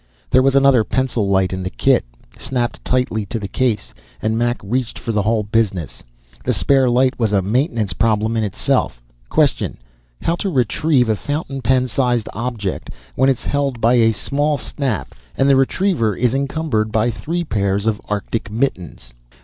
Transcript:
There was another pencil light in the kit, snapped tightly to the case, and Mac reached for the whole business. The spare light was a maintenance problem in itself. Question: How to retrieve a fountain pen sized object, when it's held by a small snap and the retriever is encumbered by three pairs of arctic mittens?